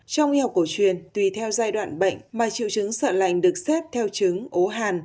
trong y học cổ truyền tùy theo giai đoạn bệnh mà triệu chứng sợ lành được xếp theo trứng ố hàn